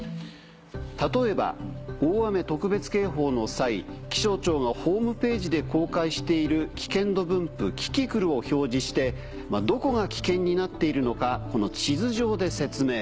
例えば大雨特別警報の際気象庁がホームページで公開している危険度分布「キキクル」を表示してどこが危険になっているのか地図上で説明。